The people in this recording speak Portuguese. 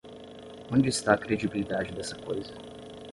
Onde está a credibilidade dessa coisa?